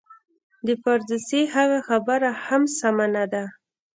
د فردوسي هغه خبره هم سمه نه ده.